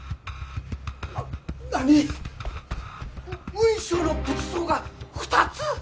雲尚の仏像が２つ？